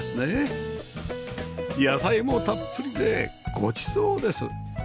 野菜もたっぷりでごちそうです